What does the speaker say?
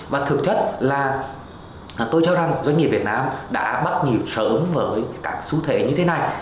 và thực chất là tôi cho rằng doanh nghiệp việt nam đã bắt nhịp sớm với các xu thế như thế này